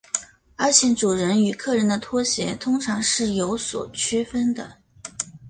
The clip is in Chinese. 而且主人与客人的拖鞋通常是有所区分的。